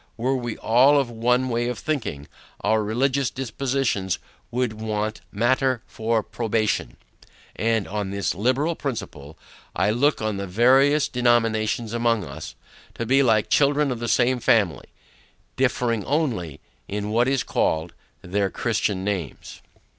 Were we all of one way of thinking, our religious dispositions would want matter for probation; and on this liberal principle, I look on the various denominations among us, to be like children of the same family, differing only, in what is called, their Christian names.